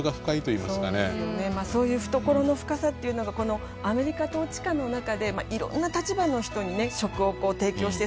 そういう懐の深さっていうのがこのアメリカ統治下の中でいろんな立場の人に食を提供して支えてきたからかもしれないな